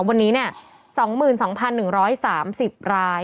วันนี้๒๒๑๓๐ราย